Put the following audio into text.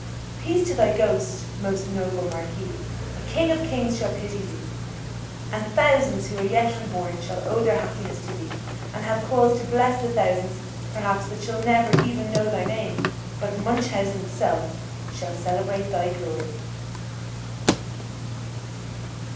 Peace to thy ghost, most noble marquis! a King of kings shall pity thee; and thousands who are yet unborn shall owe their happiness to thee, and have cause to bless the thousands, perhaps, that shall never even know thy name; but Munchausen's self shall celebrate thy glory!